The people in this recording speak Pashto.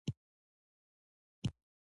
سندره د امید نښه ده